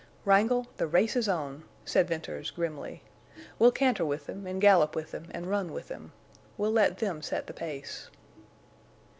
"Wrangle, the race's on," said Venters, grimly. "We'll canter with them and gallop with them and run with them. We'll let them set the pace."